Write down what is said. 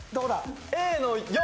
Ａの４。